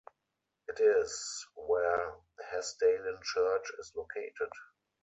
It is where Hessdalen Church is located.